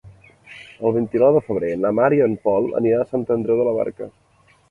El vint-i-nou de febrer na Mar i en Pol aniran a Sant Andreu de la Barca.